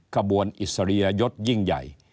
ขบวนอิสริยยศยิ่งใหญ่